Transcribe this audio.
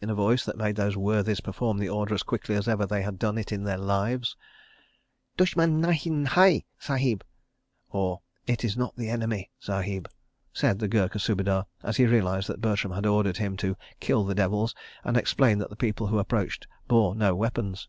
in a voice that made those worthies perform the order as quickly as ever they had done it in their lives. "Dushman nahin hai, {101c} Sahib," said the Gurkha Subedar—as he realised that Bertram had ordered him "to kill the devils"—and explained that the people who approached bore no weapons.